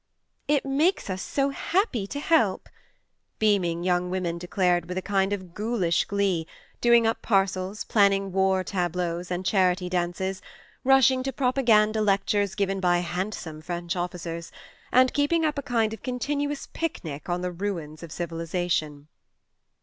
" It makes us so happy to help," beam ing young women declared with a kind of ghoulish glee, doing up parcels, planning war tableaux and charity dances, rush ing to " propaganda " lectures given by handsome French officers, and keeping up a kind of continuous picnic on the ruins of civilization.